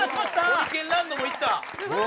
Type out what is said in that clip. ホリケンランドもいった！